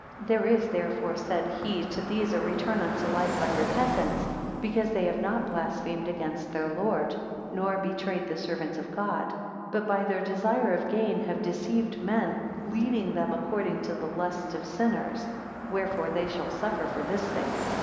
185 There is therefore, said he, to these a return unto life by repentance, because they have not blasphemed against their Lord, nor betrayed the servants of God: but by their desire of gain have deceived men, leading them according to the lusts of sinners; wherefore they shall suffer for this thing.